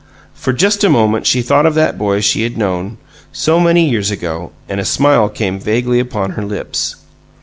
For just a moment she thought of that boy she had known, so many years ago, and a smile came vaguely upon her lips.